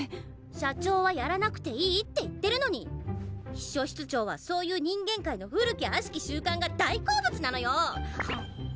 社長は「やらなくていい」って言ってるのに秘書室長はそういう人間界の古きあしき習慣が大好物なのよ！はむっ！